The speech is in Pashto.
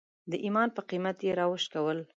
د ایمان په قیمت یې راوشکول.